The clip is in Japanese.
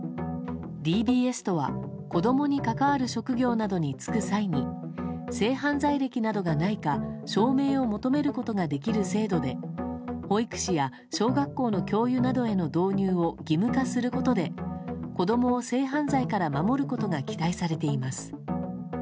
ＤＢＳは子供に関わる職業などに就く際に性犯罪歴などがないか証明を求めることができる制度で保育士や小学校の教諭などへの導入を義務化することで子供を性犯罪から守ることが期待されています。